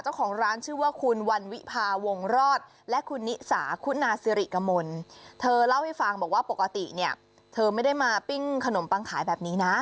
เจ้าของร้านชื่อว่าคุณวันวิพา